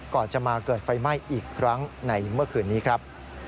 ก่อนจะมาเกิดไฟไหม้อีกครั้งในเมื่อคืนนี้ครับ